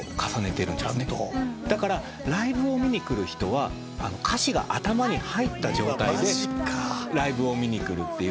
だからライブを見に来る人は歌詞が頭に入った状態でライブを見に来る。